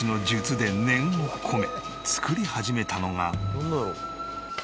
なんだろう？